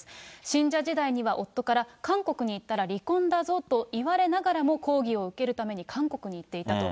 信者時代には夫から、韓国に行ったら離婚だぞと言われがらも、講義を受けるために韓国に行っていたと。